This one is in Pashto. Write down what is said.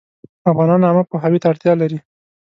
افغانان عامه پوهاوي ته اړتیا لري